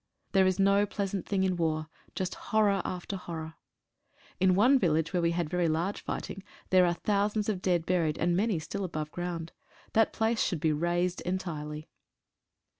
There is no plea sant thing in war, just horror after horror. In one vil lage where we had very large fighting, there are thou sands of dead buried, and many still above ground. That place should be razed entirely.